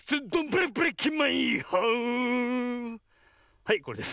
はいこれです。